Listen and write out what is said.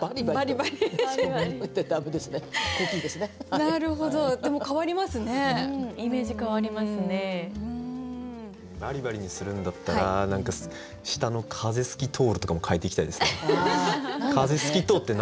「ばりばり」にするんだったら下の「風すきとほる」とかも変えていきたいですね。